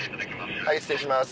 はい失礼します。